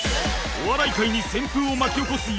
お笑い界に旋風を巻き起こす４組